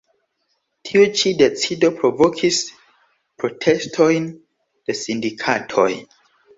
Tiu ĉi decido provokis protestojn de sindikatoj.